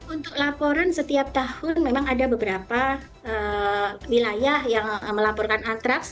untuk laporan setiap tahun memang ada beberapa wilayah yang melaporkan antraks